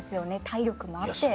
体力もあって。